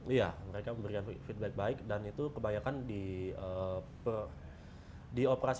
iya mereka memberikan feedback baik dan itu kebanyakan di operasi